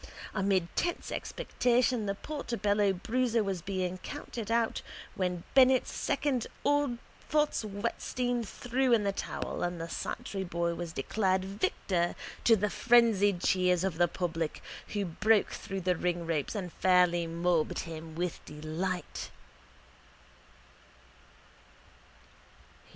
Amid tense expectation the Portobello bruiser was being counted out when Bennett's second Ole Pfotts Wettstein threw in the towel and the Santry boy was declared victor to the frenzied cheers of the public who broke through the ringropes and fairly mobbed him with delight.